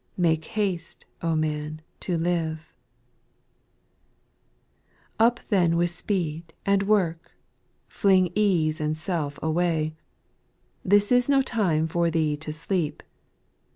Make haste, O man, to live I 4. . Up then with speed, and work, Fling ease and self away ; This is no time for thee to sleep.